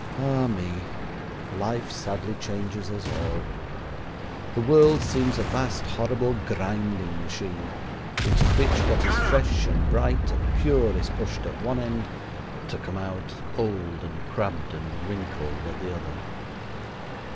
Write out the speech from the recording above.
Ah me! life sadly changes us all. The world seems a vast horrible grinding machine, into which what is fresh and bright and pure is pushed at one end, to come out old and crabbed and wrinkled at the other.